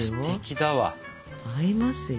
合いますよ。